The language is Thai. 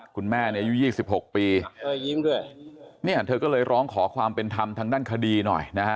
คุณแม่เนี่ยอายุ๒๖ปีเนี่ยเธอก็เลยร้องขอความเป็นธรรมทางด้านคดีหน่อยนะฮะ